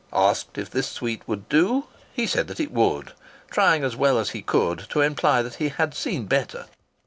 Asked if this suite would do, he said it would, trying as well as he could to imply that he had seen better.